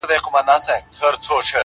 • ځینو نااهلو کسانو، چي زه یقین لرم -